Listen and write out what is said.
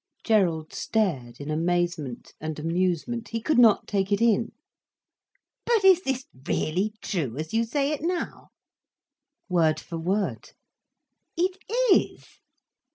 Gerald stared in amazement and amusement. He could not take it in. "But is this really true, as you say it now?" "Word for word." "It is?"